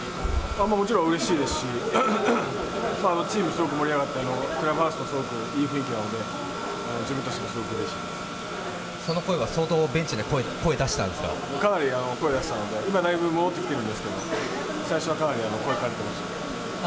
もうもちろんうれしいですし、チームすごく盛り上がって、クラブハウスもすごくいい雰囲気で、自分たちもすごくうれしいでその声は相当、ベンチで声出かなり声出したので、今だいぶ戻ってきてるんですけど、最初はかなり声かれてました。